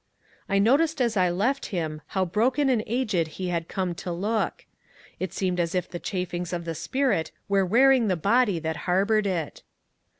I noticed as I left him how broken and aged he had come to look. It seemed as if the chafings of the spirit were wearing the body that harboured it.